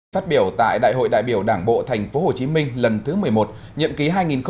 phát biểu tại đại hội đại biểu đảng bộ tp hcm lần thứ một mươi một nhậm ký hai nghìn hai mươi hai nghìn hai mươi năm